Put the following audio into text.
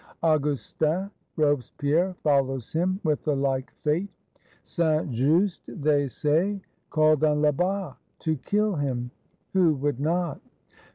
Augustin Robespierre follows him ; with the like fate. Saint Just, they say, called on Lebas to kill him; who would not.